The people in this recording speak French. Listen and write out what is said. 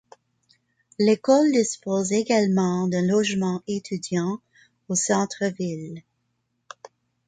L'école dispose également de logements étudiants au centre ville.